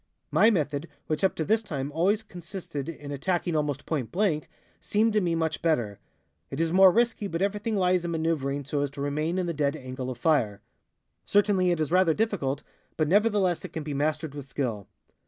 My method, which up to this time always consisted in attacking almost point blank, seemed to me much better. It is more risky, but everything lies in maneuvering so as to remain in the dead angle of fire. Certainly it is rather difficult, but nevertheless it can be mastered with skill.